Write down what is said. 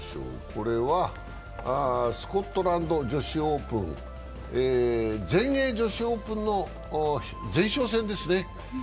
これはスコットランド女子オープン、全英女子オーめの前哨戦ですね。